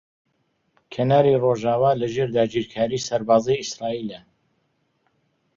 کەناری ڕۆژاوا لەژێر داگیرکاریی سەربازیی ئیسرائیلە.